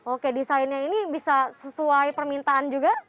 oke desainnya ini bisa sesuai permintaan juga